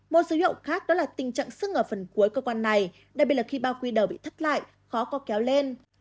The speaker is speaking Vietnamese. một dấu hiệu khác đó là tình trạng sưng ở phần cuối cơ quan này đặc biệt là khi bao quy đầu bị thắt lại khó có kéo lên